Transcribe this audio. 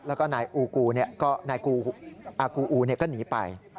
แล้วก็นายอูกูเนี่ยก็นายอากูอูเนี่ยก็หนีไป